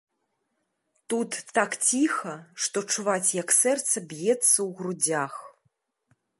Тут так ціха, што чуваць, як сэрца б'ецца ў грудзях.